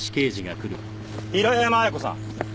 平山亜矢子さん